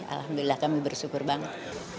alhamdulillah kami bersyukur banget